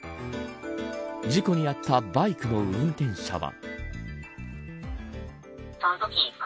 事故に遭ったバイクの運転者は。